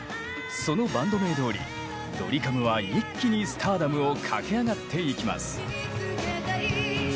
そのバンド名どおりドリカムは一気にスターダムを駆け上がっていきます。